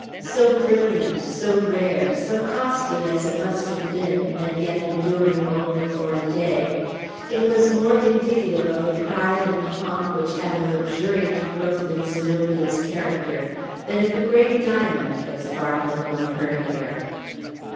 So brilliant, so rare, so costly as it must have been, and yet enduring only for a day, it was more indicative of the pride and pomp which had a luxuriant growth in Zenobia's character than if a great diamond had sparkled among her hair.